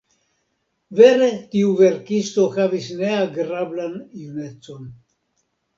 Vere tiu verkisto havis ne agrablan junecon.